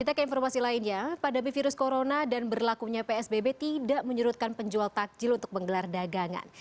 kita ke informasi lainnya pandemi virus corona dan berlakunya psbb tidak menyerutkan penjual takjil untuk menggelar dagangan